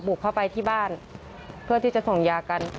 เข้าไปที่บ้านเพื่อที่จะส่งยากัน